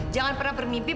jangan pernah bayangkan